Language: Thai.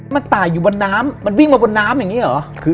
มันตายอยู่บนน้ำมันวิ่งมาบนน้ำอย่างนี้เหรอ